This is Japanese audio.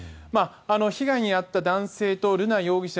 被害に遭った男性と瑠奈容疑者